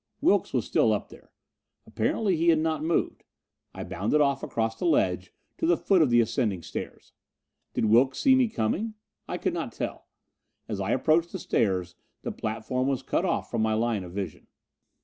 Wilks was still up there. Apparently he had not moved. I bounded off across the ledge to the foot of the ascending stairs. Did Wilks see me coming? I could not tell. As I approached the stairs the platform was cut off from my line of vision.